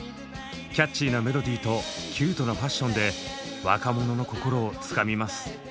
キャッチーなメロディーとキュートなファッションで若者の心をつかみます。